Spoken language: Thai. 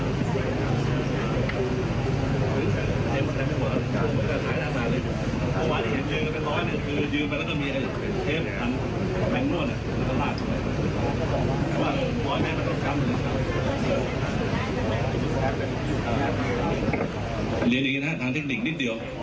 เรียนอย่างนี้นะครับทางเทคนิคนิดเดียว